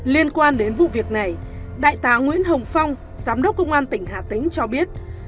liên quan đến vụ việc này đại tá nguyễn hồng phong giám đốc công an tỉnh hà tĩnh cho biết